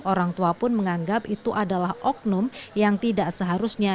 orang tua pun menganggap itu adalah oknum yang tidak seharusnya